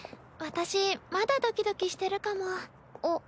私まだドキドキしてるかも。